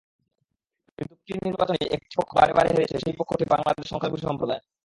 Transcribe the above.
কিন্তু প্রতিটি নির্বাচনেই একটি পক্ষ বারে বারে হেরেছে—সেই পক্ষটি বাংলাদেশের সংখ্যালঘু সম্প্রদায়।